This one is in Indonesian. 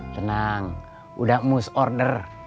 tenang udah must order